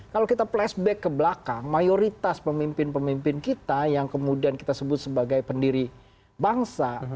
kalau kita flashback ke belakang mayoritas pemimpin pemimpin kita yang kemudian kita sebut sebagai pendiri bangsa